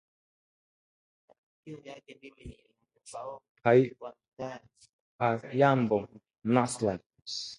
Huyambo Nasra